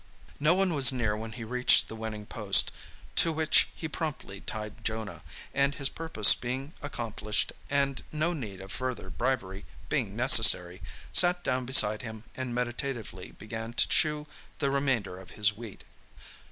No one was near when he reached the winning post, to which he promptly tied Jonah, and, his purpose being accomplished, and no need of further bribery being necessary, sat down beside him and meditatively began to chew the remainder of his wheat.